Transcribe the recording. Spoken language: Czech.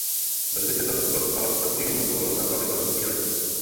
Brzy se tato oblast stala atraktivní zónou zábavy a rozptýlení.